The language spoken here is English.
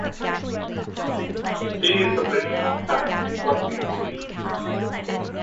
He's the bloody Antichrist, for Pete's sake.